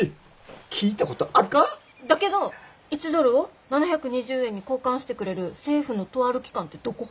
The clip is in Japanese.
だけど１ドルを７２０円に交換してくれる政府のとある機関ってどこ？